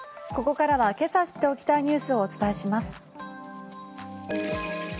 ここからはけさ知っておきたいニュースをお伝えします。